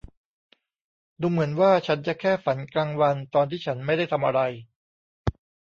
ดูเหมือนว่าฉันจะแค่ฝันกลางวันตอนที่ฉันไม่ได้ทำอะไร